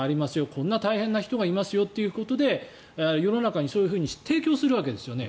こんな大変な人がいますよということで世の中にそういうふうに提供するわけですよね。